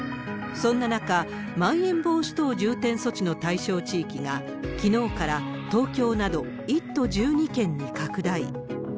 そんな中、まん延防止等重点措置の対象地域が、きのうから東京など１都１２県に拡大。